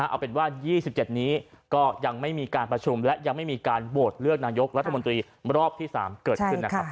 เอาเป็นว่า๒๗นี้ก็ยังไม่มีการประชุมและยังไม่มีการโหวตเลือกนายกรัฐมนตรีรอบที่๓เกิดขึ้นนะครับ